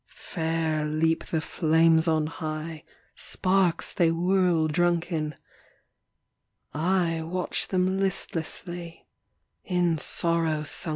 Fair leap the flames on high. Sparks they whirl drunken; I watch them listlessly In sorrow sunken.